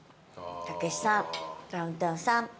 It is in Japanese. たけしさんダウンタウンさん。